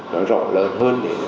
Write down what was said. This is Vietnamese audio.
nó rõ ràng hơn để